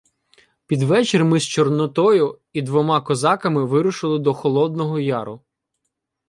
Під вечір ми з Чорнотою і двома козаками вирушили до Холодного Яру.